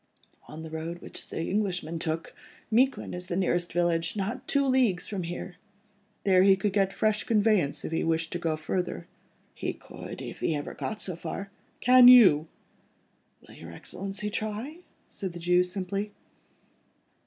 "On the road which the Englishman took, Miquelon is the nearest village, not two leagues from here." "There he could get fresh conveyance, if he wanted to go further?" "He could—if he ever got so far." "Can you?" "Will your Excellency try?" said the Jew simply.